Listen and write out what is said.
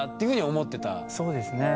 そうですね。